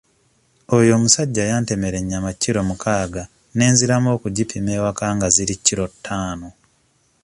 Oyo omusajja yantemera ennyama kiro mukaaga ne nziramu okugipima ewaka nga ziri kiro ttaano.